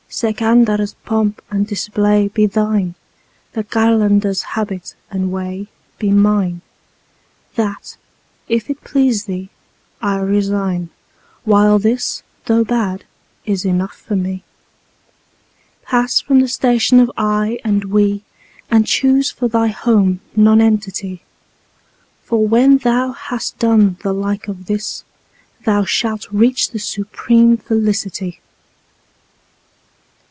Sikandar's3 pomp and display be thine, the Qalandar's4 habit and way be mine; That, if it please thee, I resign, while this, though bad, is enough for me. Pass from the station of "I" and "We," and choose for thy home Nonentity, For when thou has done the like of this, thou shalt reach the supreme Felicity.